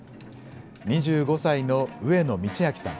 ２５歳の上野通明さん。